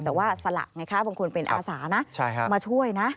แต่ว่าสละไงคะบางคนเป็นอาสานะมาช่วยนะ